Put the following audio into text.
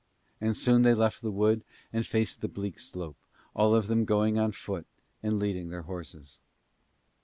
And soon they left the wood and faced the bleak slope, all of them going on foot and leading their horses.